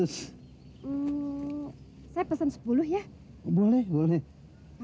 saya delali juga